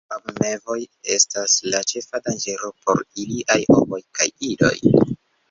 Rabmevoj estas la ĉefa danĝero por iliaj ovoj kaj idoj.